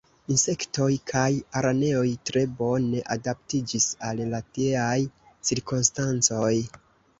Insektoj kaj araneoj tre bone adaptiĝis al la tieaj cirkonstancoj.